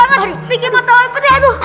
aduh aduh aduh aduh